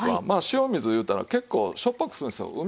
まあ塩水いうたら結構しょっぱくするんですよ。